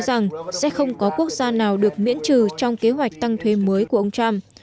nha trang nói rằng sẽ không có quốc gia nào được miễn trừ trong kế hoạch tăng thuế mới của ông trump